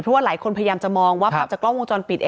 เพราะว่าหลายคนพยายามจะมองว่าภาพจากกล้องวงจรปิด